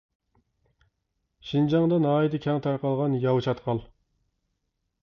شىنجاڭدا ناھايىتى كەڭ تارقالغان ياۋا چاتقال.